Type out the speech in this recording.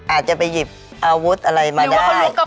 อาจจะไปหยิบอาวุธอะไรมาได้